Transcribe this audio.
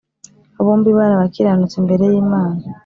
Bombi bari abakiranutsi imbere y Imana